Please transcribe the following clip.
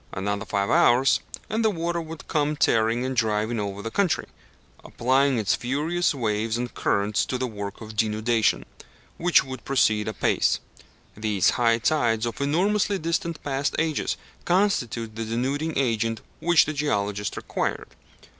Another five hours, and the water would come tearing and driving over the country, applying its furious waves and currents to the work of denudation, which would proceed apace. These high tides of enormously distant past ages constitute the denuding agent which the geologist required.